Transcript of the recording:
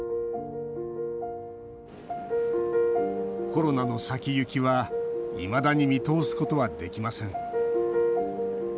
コロナの先行きはいまだに見通すことはできません。